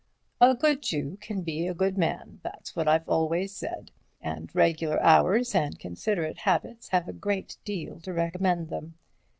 A good Jew can be a good man, that's what I've always said. And regular hours and considerate habits have a great deal to recommend them.